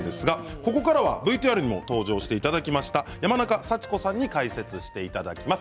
ここからＶＴＲにも登場していただきました山中祥子さんに解説していただきます。